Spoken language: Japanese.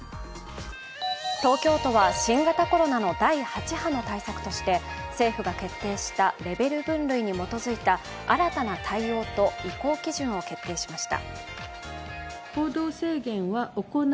東京都は新型コロナの第８波の対策として政府が決定したレベル分類に基づいた新たな対応と移行基準を決定しました。